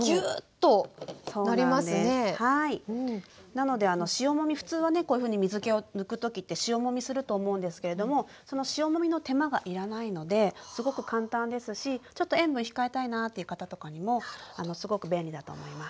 なので塩もみ普通はねこういうふうに水けを抜く時って塩もみすると思うんですけれどもその塩もみの手間がいらないのですごく簡単ですしちょっと塩分控えたいなという方とかにもすごく便利だと思います。